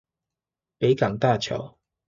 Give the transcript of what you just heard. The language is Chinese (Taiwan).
北港大橋